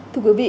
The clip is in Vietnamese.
thưa quý vị